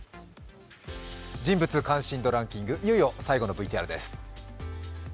人物関心度ランキング、いよいよ最後のＶＴＲです。